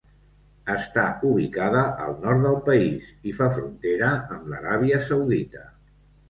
Està ubicada al nord del país i fa frontera amb l'Aràbia Saudita.